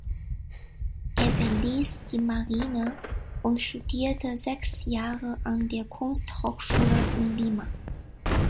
Er verließ die Marine und studierte sechs Jahre an der Kunsthochschule in Lima.